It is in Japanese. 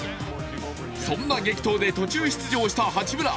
そんな激闘で途中出場した八村。